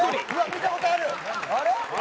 見たことある！